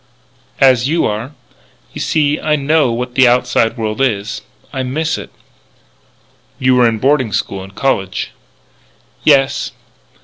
"As you are. You see I know what the outside world is. I miss it." "You were in boarding school and college." "Yes."